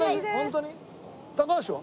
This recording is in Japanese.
高橋は？